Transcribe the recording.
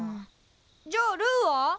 じゃあルーは？